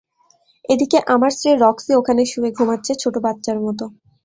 এদিকে আমার স্ত্রী রক্সি ওখানে শুয়ে ঘুমাচ্ছে, ছোট বাচ্চার মতো।